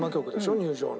入場の。